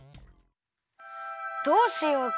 どうしようか？